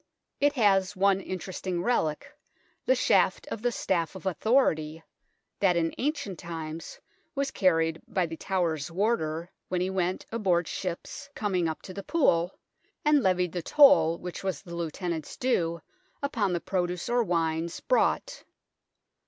It has one interesting relic, the shaft of the staff of authority that in ancient times was carried by The Tower's Warder when he went aboard ships coming up to the Pool, and levied the toll which was the Lieutenant's due upon the produce or wines brought.